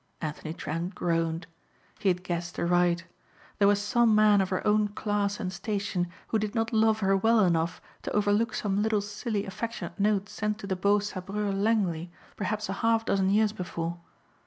Anthony Trent groaned. He had guessed aright. There was some man of her own class and station who did not love her well enough to overlook some little silly affectionate note sent to the beau sabreur Langley perhaps a half dozen years before.